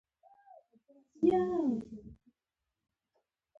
آیا میوند بانک فعال دی؟